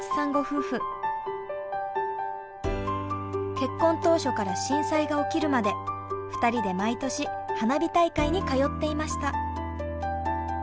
結婚当初から震災が起きるまで２人で毎年花火大会に通っていました。